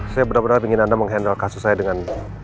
saya benar benar ingin anda menghandle kasus saya dengan